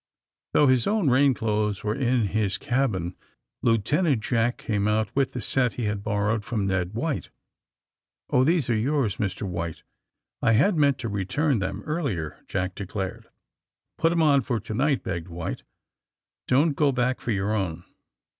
'' Though his own rain clothes were in his cabin Lieutenant Jack came out with the set he had borrowed from Ned White. 0h, these are yours, Mr. White. I had meant to return them earlier," Jack declared. Put 'em on for to night," begged White. Don't go back for your own."